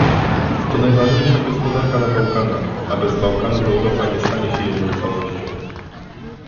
To najważniejsza gospodarka na Bałkanach, a bez Bałkanów Europa nie stanie się jedną całością